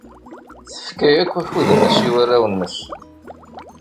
Tefka akk akud-nnes i warraw-nnes.